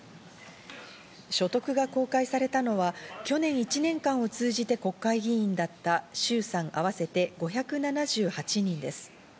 所得が公開されたのは去年１年間を通じて国会議員だった衆・参あわせて５７８人です。